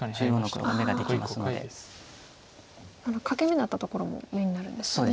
欠け眼だったところも眼になるんですね。